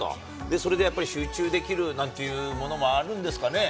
それでやっぱり集中できるなんていうものもあるんですかね？